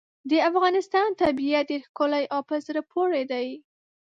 د افغانستان طبیعت ډېر ښکلی او په زړه پورې دی.